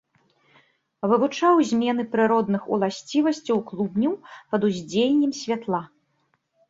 Вывучаў змены прыродных уласцівасцяў клубняў пад уздзеяннем святла.